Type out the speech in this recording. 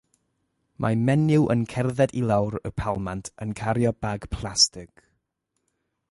Mae menyw yn cerdded i lawr y palmant yn cario bag plastig.